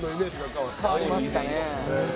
変わりましたね。